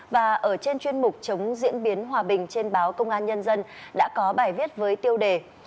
và ở trên chuyên mục chống diễn biến hòa bình trên báo công an nhân dân đã có bài viết với tiêu đề